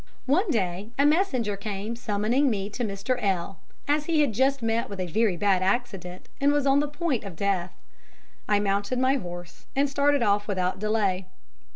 One day a messenger came summoning me to Mr. L , as he had just met with a very bad accident, and was on the point of death. I mounted my horse and started off without delay.